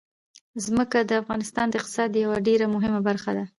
ځمکه د افغانستان د اقتصاد یوه ډېره مهمه برخه ده.